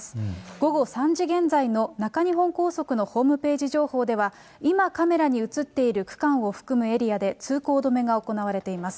午後３時現在の中日本高速道路のホームページ情報では、今、カメラに写っている区間を含むエリアで、通行止めが行われています。